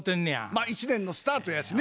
まあ一年のスタートやしね。